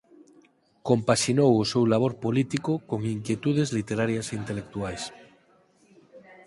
Compaxinou o seu labor político con inquietudes literarias e intelectuais.